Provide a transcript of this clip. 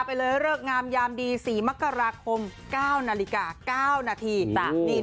พี่หมายไท